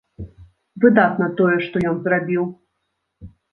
Выдатна тое, што ён зрабіў.